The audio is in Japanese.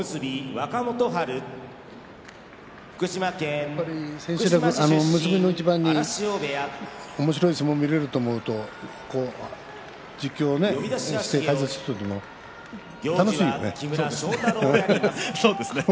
やっぱり結びの一番におもしろい相撲が見られると思うと実況や解説をしていても楽しいよね。